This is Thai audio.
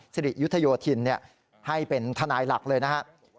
สิริยุทธโยธินให้เป็นทนายหลักเลยนะครับ